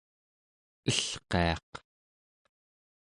elqiaq